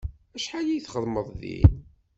Acḥal ay txedmeḍ din?